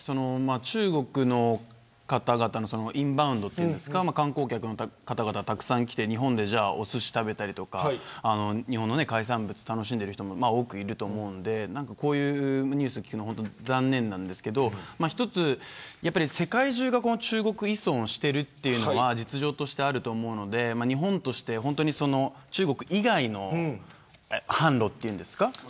中国の方々のインバウンドというか観光客の方々がたくさん来て日本でおすしを食べたり日本の海産物を楽しんでる人も多くいると思うんでこういうニュースを聞くのは残念なんですけど一つ、世界中が中国依存しているというのは実情としてあると思うので日本として、中国以外の販路っていうんですか。